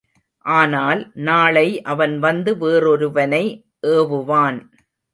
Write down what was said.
ஆனால், நாளை அவன் வந்து வேறொருவனை ஏவுவான்.